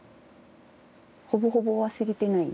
ほぼほぼ忘れてないよね。